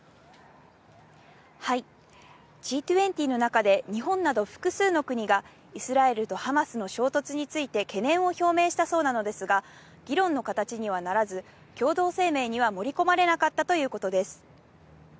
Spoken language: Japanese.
Ｇ２０の中で日本など複数の国がイスラエルとハマスの衝突について懸念を表明したそうなのですが、議論の形にはならず、共同声明には盛り込まれなかったということです。